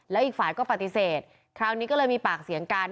แล้วอีกฝ่ายก็ปฏิเสธคราวนี้ก็เลยมีปากเสียงกัน